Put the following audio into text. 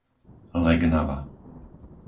Legnava